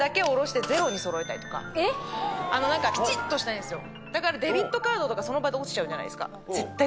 ピチっとしたいんですよ。